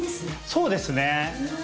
そうですね。